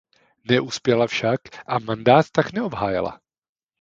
Neuspěla však a mandát tak neobhájila.